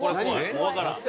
もうわからん。